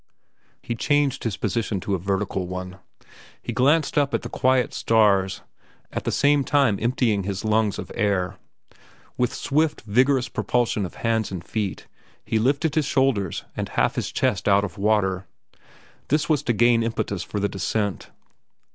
He changed his position to a vertical one. He glanced up at the quiet stars, at the same time emptying his lungs of air. With swift, vigorous propulsion of hands and feet, he lifted his shoulders and half his chest out of water. This was to gain impetus for the descent.